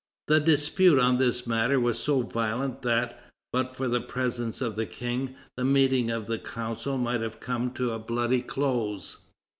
The dispute on this matter was so violent that, but for the presence of the King, the meeting of the Council might have come to a bloody close.